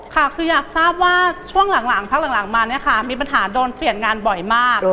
ค่ะคืออยากทราบว่าพร่างหลังมาเนี่ยมีปัญหาโดนเปลี่ยนงานบ่อยมาก